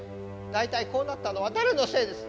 大体こうなったのは誰のせいです。